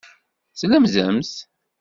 Tlemdemt.